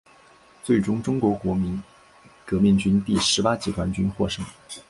最终中国国民革命军第十八集团军获胜。